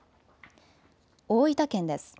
大分県です。